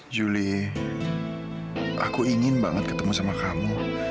julie aku ingin banget ketemu sama kamu